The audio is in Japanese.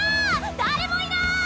誰もいない！